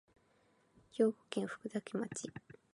兵庫県福崎町